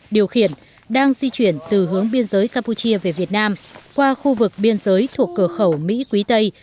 điều khiển đang di chuyển từ hướng biên giới campuchia về việt nam qua khu vực biên giới thuộc cửa khẩu mỹ quý tây